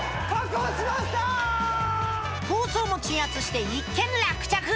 抗争も鎮圧して一件落着！